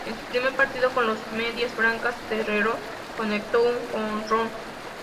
En su primer partido con los Medias Blancas, Terrero conectó un jonrón.